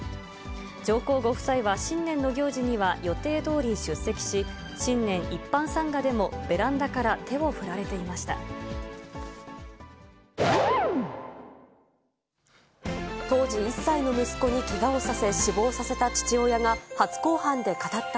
上皇ご夫妻は新年の行事には予定どおり出席し、新年一般参賀でもベランダから手を振られていました。